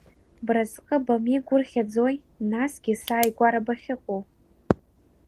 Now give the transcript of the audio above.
Бразҟы бамеигәырӷьаӡои, насгьы сааигәара бахьыҟоу?